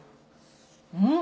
うん。